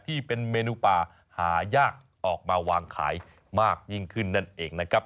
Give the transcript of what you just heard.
ที่เป็นเมนูป่าหายากออกมาวางขายมากยิ่งขึ้นนั่นเองนะครับ